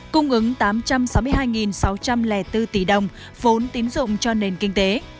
cung ứng tám trăm sáu mươi hai sáu trăm linh bốn tỷ đồng vốn tín dụng cho nền kinh tế